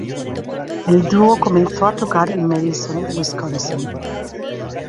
El dúo comenzó a tocar en Madison, Wisconsin.